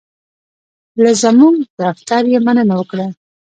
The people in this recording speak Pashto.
له زمونږ دفتر یې مننه وکړه.